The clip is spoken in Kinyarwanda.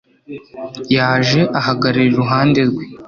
yaje ahagarara iruhande rwe